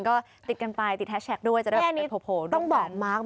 มีมุมปากยิ้นนิดนึง